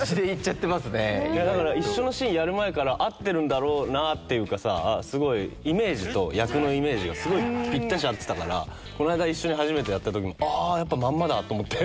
一緒のシーンやる前から合ってるんだろうなっていうかさイメージと役のイメージがすごいぴったし合ってたからこの間一緒に初めてやったときもあやっぱまんまだと思って。